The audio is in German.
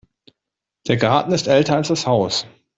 Der Garten ist älter als das Haus.